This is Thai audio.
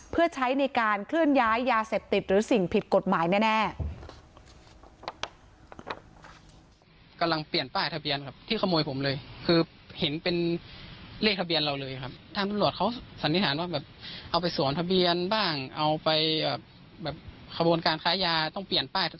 เพื่อใช้ในการเคลื่อนย้ายยาเสพติดหรือสิ่งผิดกฎหมายแน่